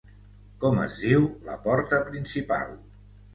Com es diu la porta principal?